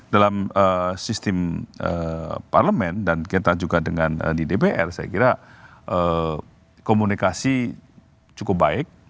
dalam sistem parlemen dan kita juga dengan di dpr saya kira komunikasi cukup baik